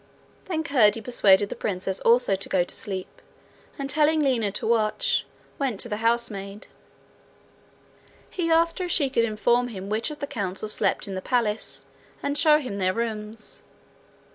Then Curdie persuaded the princess also to go to sleep, and telling Lina to watch, went to the housemaid. He asked her if she could inform him which of the council slept in the palace, and show him their rooms.